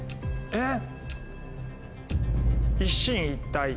えっ。